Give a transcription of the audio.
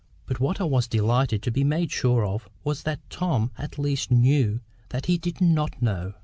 But what I was delighted to be made sure of was that Tom at least knew that he did not know.